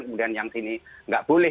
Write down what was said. kemudian yang sini nggak boleh